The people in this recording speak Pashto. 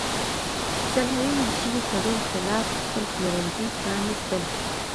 سلایم د شوي تړون خلاف خپل پلورنځي پرانیستل.